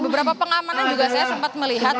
beberapa pengamanan juga saya sempat melihat